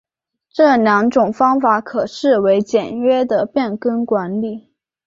这两种方法可视为简约的变更管理。